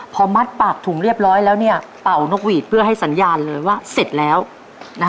พอมัดปากถุงเรียบร้อยแล้วเนี่ยเป่านกหวีดเพื่อให้สัญญาณเลยว่าเสร็จแล้วนะคะ